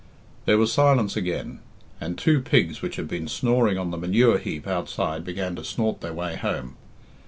There was silence again, and two pigs which had been snoring on the manure heap outside began to snort their way home.